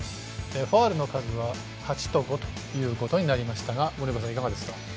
ファウルの数は８と５ということになりましたが森岡さん、いかがですか？